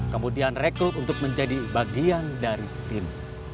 kemudian rekrut untuk menjadi bagian dari tim